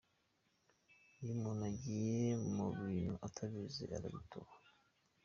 Iyo umuntu agiye mu bintu atabizi arabitoba.